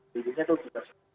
bidungnya itu juga